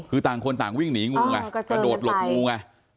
คือต่างคนต่างวิ่งหนีงูไงกระโดดหลบงูไง